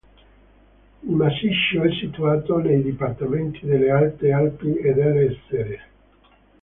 Il massiccio è situato nei dipartimenti delle Alte Alpi e dell'Isère.